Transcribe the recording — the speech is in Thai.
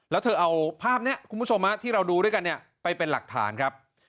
แล้วเธอเอาภาพนี้คุณผู้ชมที่เราดูด้วยกันเนี่ยไปเป็นหลักฐานครับ